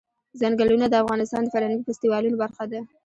ځنګلونه د افغانستان د فرهنګي فستیوالونو برخه ده.